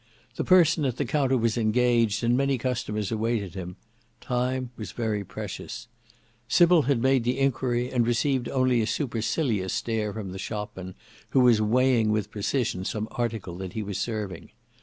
The person at the counter was engaged, and many customers awaited him: time was very precious: Sybil had made the enquiry and received only a supercilious stare from the shopman, who was weighing with precision some article that he was serving.